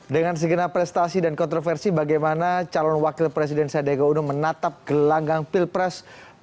dengan segenap prestasi dan kontroversi bagaimana calon wakil presiden sadega uno menatap gelanggang pilpres dua ribu sembilan belas